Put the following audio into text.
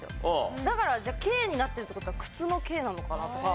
だからじゃあ「ｋ」になってるって事は靴の「ｋ」なのかな？とか。